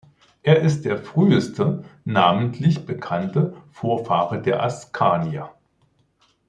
Er ist der früheste namentlich bekannte Vorfahre der Askanier.